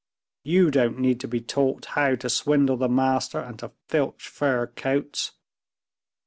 You don't need to be taught how to swindle the master, and to filch fur coats!"